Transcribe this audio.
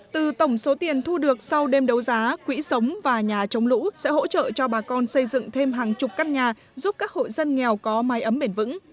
từ tổng số tiền thu được sau đêm đấu giá quỹ sống và nhà chống lũ sẽ hỗ trợ cho bà con xây dựng thêm hàng chục căn nhà giúp các hộ dân nghèo có mái ấm bền vững